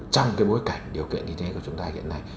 trong cái bối cảnh điều kiện như thế của chúng ta hiện nay